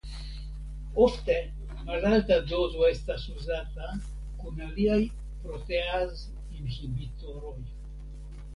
Ofte malalta dozo estas uzata kun aliaj proteazinhibitoroj.